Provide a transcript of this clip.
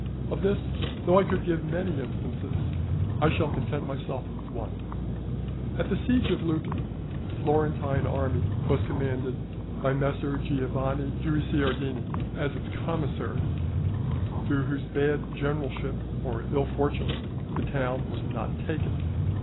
Of this, though I could give many instances, I shall content myself with one. At the siege of Lucca the Florentine army was commanded by Messer Giovanni Guicciardini, as its commissary, through whose bad generalship or ill fortune the town was not taken.